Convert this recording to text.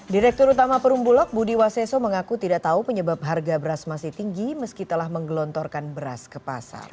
direktur utama perumbulok budi waseso mengaku tidak tahu penyebab harga beras masih tinggi meski telah menggelontorkan beras ke pasar